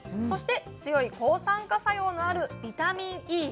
そして強い抗酸化作用のあるビタミンＥ。